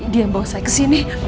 dia yang bawa saya ke sini